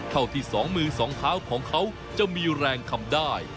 เท่าที่สองมือสองเท้าของเขาจะมีแรงทำได้